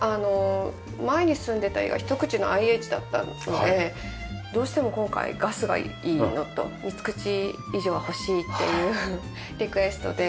前に住んでた家が１口のＩＨだったのでどうしても今回ガスがいいのと３口以上は欲しいっていうリクエストで。